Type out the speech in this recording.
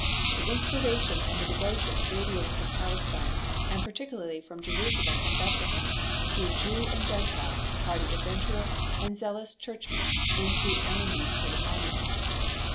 The inspiration and the devotion radiating from Palestine, and particularly from Jerusalem and Bethlehem, drew Jew and Gentile, hardy adventurer and zealous churchman, into Allenby's great army.